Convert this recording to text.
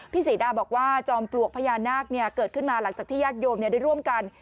ศรีดาบอกว่าจอมปลวกพญานาคเกิดขึ้นมาหลังจากที่ญาติโยมได้ร่วมกัน